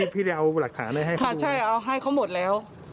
พี่ได้เอาหลักฐานอะไรให้ค่ะใช่เอาให้เขาหมดแล้ว